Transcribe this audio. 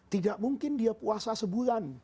tidak mungkin dia puasa sebulan